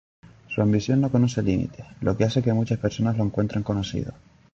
Su ambición no conoce límites, lo que hace que muchas personas lo encuentren conocido.